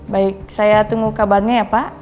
baik saya tunggu kabarnya ya pak